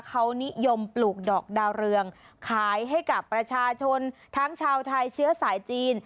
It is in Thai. เขานิยมปลูกดอกดาวเรืองขายให้กับประชาชนทั้งชาวไทยเชื้อสายจีน